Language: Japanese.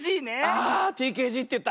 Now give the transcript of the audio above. あＴＫＧっていった。